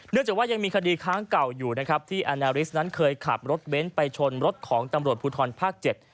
จากว่ายังมีคดีค้างเก่าอยู่นะครับที่อานาริสนั้นเคยขับรถเบ้นไปชนรถของตำรวจภูทรภาคเจ็ด